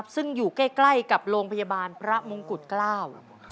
ซึ่งอยู่ใกล้ใกล้กับโรงพยาบาลพระมงกุฎเกล้า